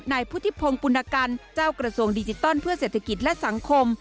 นายพุทธิพงศ์ปุณกันเจ้ากระทรวงดิจิตอลเพื่อเศรษฐกิจและสังคม